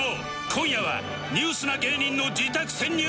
今夜はニュースな芸人の自宅潜入